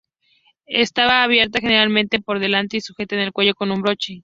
Estaba abierta, generalmente por delante y sujeta al cuello con un broche.